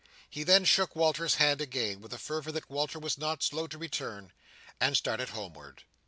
He then shook Walter's hand again with a fervour that Walter was not slow to return and started homeward.